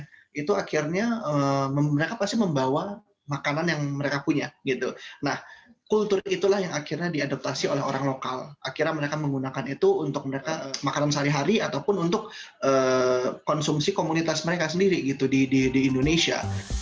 jadi itu akhirnya mereka pasti membawa makanan yang mereka punya nah kultur itulah yang akhirnya diadaptasi oleh orang lokal akhirnya mereka menggunakan itu untuk mereka makanan sehari hari ataupun untuk konsumsi komunitas mereka sendiri di indonesia